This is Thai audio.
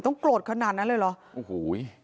ต้องโกรธขนาดนั้นเลยหรอ